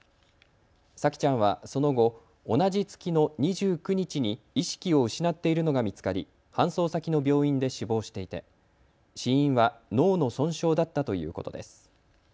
沙季ちゃんはその後同じ月の２９日に意識を失っているのが見つかり搬送先の病院で死亡していて死因は脳の損傷だったということです。